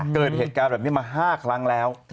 เกิดเหตุการณ์แบบนี้มา๕ครั้งแล้ว